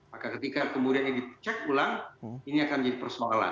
maka ketika kemudiannya dicek ulang ini akan menjadi persoalan